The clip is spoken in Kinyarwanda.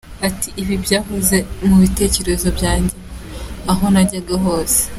Ati “Ibi byahoze mu bitekerezo byanjye aho najyaga hose.